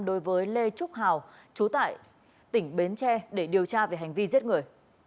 đối với lê trúc hào chú tại tỉnh bến tre để điều tra về hành vi giết người